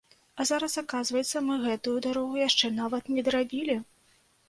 А зараз аказваецца, мы гэтую дарогу яшчэ нават не дарабілі!